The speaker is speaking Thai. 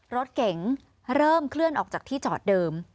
รถเก๋งเริ่มเคลื่อนออกจากที่จอดเดิม